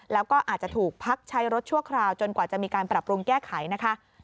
แล้วก็อาจจะถูกพักใช้รถชั่วคราวจนกว่าจะมีการปรับปรุงแก้ไขนะคะ